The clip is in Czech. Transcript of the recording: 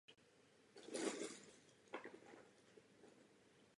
Pouze mě zajímá, jaké kroky Rada v této věci podnikla.